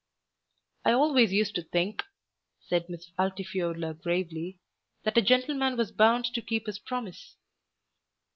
"I always used to think," said Miss Altifiorla gravely, "that a gentleman was bound to keep his promise."